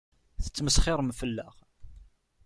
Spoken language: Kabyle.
Ttmesxiṛen fell-aɣ.